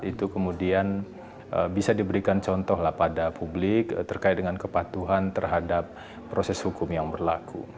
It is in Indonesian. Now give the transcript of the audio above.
itu kemudian bisa diberikan contoh lah pada publik terkait dengan kepatuhan terhadap proses hukum yang berlaku